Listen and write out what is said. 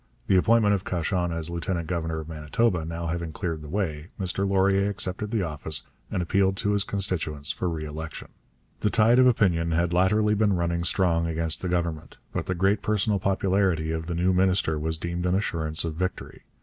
The appointment of Cauchon as lieutenant governor of Manitoba now having cleared the way, Mr Laurier accepted the office and appealed to his constituents for re election. The tide of opinion had latterly been running strong against the Government, but the great personal popularity of the new minister was deemed an assurance of victory.